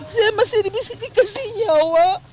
saya masih di sini kesini ya allah